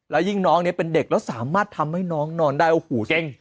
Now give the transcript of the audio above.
แล้วยิ่งน้องเนี่ยเป็นเด็กแล้วสามารถทำให้น้องนอนได้โอ้โหจริง